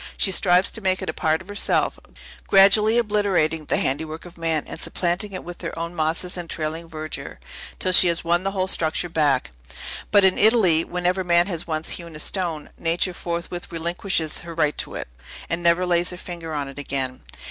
She strives to make it a part of herself, gradually obliterating the handiwork of man, and supplanting it with her own mosses and trailing verdure, till she has won the whole structure back. But, in Italy, whenever man has once hewn a stone, Nature forthwith relinquishes her right to it, and never lays her finger on it again.